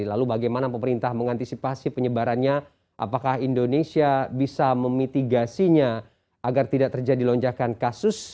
lalu bagaimana pemerintah mengantisipasi penyebarannya apakah indonesia bisa memitigasinya agar tidak terjadi lonjakan kasus